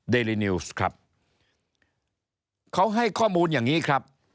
เดลินิวส์ครับเขาให้ข้อมูลอย่างนี้ครับ